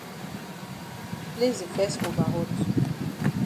Place di fes over hot.